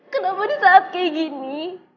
kenapa di saat kayak gini